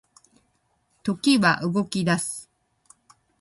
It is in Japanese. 時は動き出す